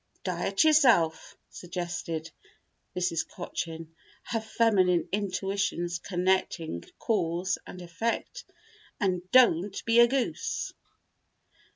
"Diet yourself," suggested Mrs. Cochin, her feminine intuitions connecting cause and effect. "And don't be a goose."